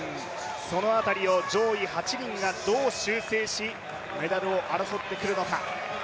その辺りを上位８人がどう修正し、メダルを争ってくるのか。